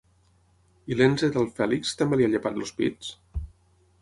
I l'enze del Fèlix, també li ha llepat els pits?